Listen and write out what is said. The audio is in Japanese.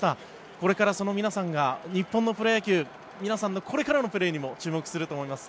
これからその皆さんが日本のプロ野球皆さんのこれからのプレーにも注目すると思います。